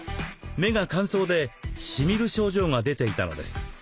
目が乾燥でしみる症状が出ていたのです。